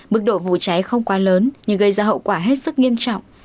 mức độ vụ cháy không quá lớn nhưng gây ra hậu quả hết sức nghiêm trọng